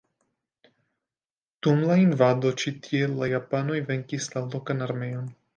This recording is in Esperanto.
Dum la invado ĉi tie la japanoj venkis la lokan armeon.